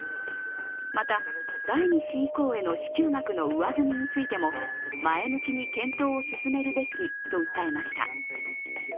また、第２子以降への支給額の上積みについても前向きに検討を進めるべきと訴えました。